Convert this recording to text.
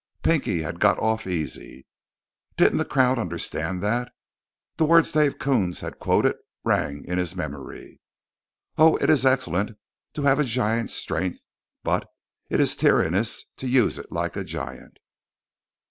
Pinky had got off easy. Didn't the crowd understand that? The words Dave Coons had quoted rang in his memory: Oh, it is excellent To have a giant's strength; but it is tyrannous _To use it like a giant.